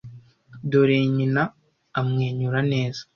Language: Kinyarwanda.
dore nyina amwenyura neza